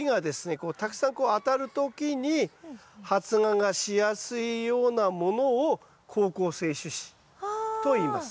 こうたくさんこう当たる時に発芽がしやすいようなものを好光性種子といいます。